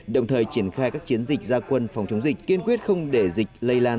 đồng thời triển khai các chiến dịch gia quân phòng chống dịch kiên quyết không để dịch lây lan